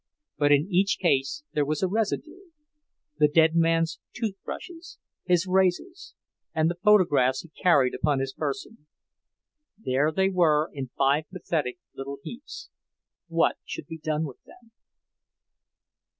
But in each case there was a residue; the dead man's toothbrushes, his razors, and the photographs he carried upon his person. There they were in five pathetic little heaps; what should be done with them?